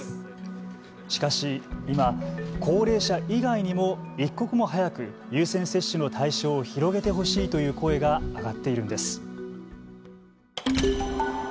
しかし今、高齢者以外にも一刻も早く優先接種の対象を広げてほしいという声が上がっているのです。